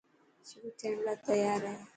شروع ٿيڻ لا تيار هي.